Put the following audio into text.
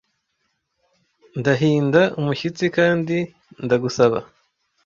ndahinda umushyitsi kandi ndagusaba